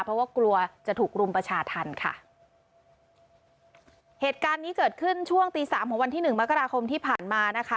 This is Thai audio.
เพราะว่ากลัวจะถูกรุมประชาธรรมค่ะเหตุการณ์นี้เกิดขึ้นช่วงตีสามของวันที่หนึ่งมกราคมที่ผ่านมานะคะ